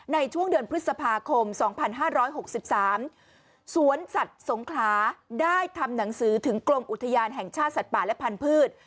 ในช่วงเดือนพฤษภาคม๒๕๖๓สวนสัตว์สงขลาได้ทำหนังสือถึงกรมอุทยานแห่งชาติสัตว์ป่าและพันธุ์